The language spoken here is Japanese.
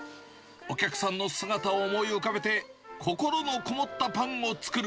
お客さんの姿を思い浮かべて、心の込もったパンを作る。